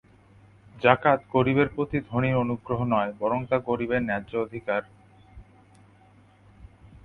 জাকাত গরিবের প্রতি ধনীর অনুগ্রহ নয়, বরং তা গরিবের ন্যায্য অধিকার।